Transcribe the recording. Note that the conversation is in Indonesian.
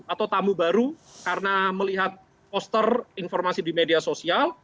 atau tamu baru karena melihat poster informasi di media sosial